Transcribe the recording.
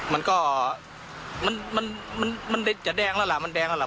มันก็เลยมันก็มันมันจะแดงแล้วล่ะมันแดงแล้วล่ะ